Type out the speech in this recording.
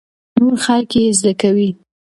نور خلک يې زده کوي.